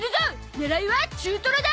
狙いは中トロだ！